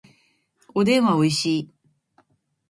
おでんはおいしい